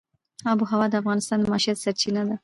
آب وهوا د افغانانو د معیشت سرچینه ده.